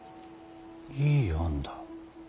いい案だ。